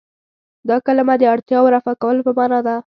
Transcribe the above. دا کلمه د اړتیاوو رفع کولو په معنا ده.